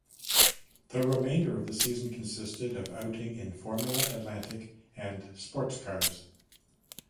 The remainder of the season consisted of outing in Formula Atlantic and Sportscars.